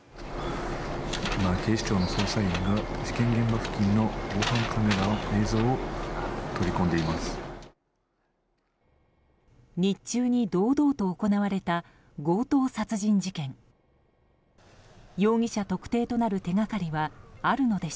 警視庁の捜査員が事件現場付近の防犯カメラ映像を取り込んでいます。